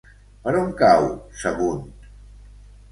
Per on cau Sagunt?